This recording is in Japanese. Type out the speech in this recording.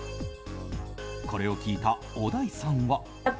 これを聞いた、小田井さんは。